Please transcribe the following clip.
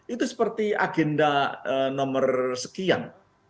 itu seperti agenda nomor sekian